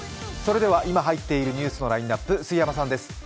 今入っているニュースのラインナップ、杉山さんです。